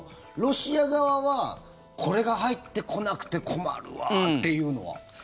ロシア側はこれが入ってこなくて困るわっていうのは。